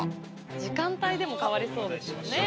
時間帯でも変わりそうですよね